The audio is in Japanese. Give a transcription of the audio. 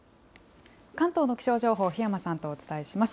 関東の気象情報、檜山さんとお伝えします。